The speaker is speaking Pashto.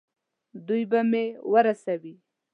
دوی به مې ورسوي.